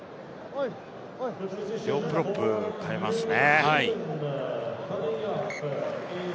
プロップ代えますね。